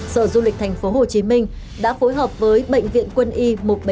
sở du lịch tp hcm đã phối hợp với bệnh viện quân y một trăm bảy mươi năm